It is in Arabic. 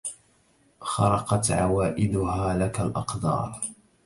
خرقت عوائدها لك الأقدار